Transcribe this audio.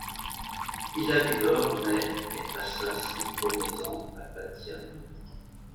Hilla Vidor naît et passa ses premiers ans à Bat Yam.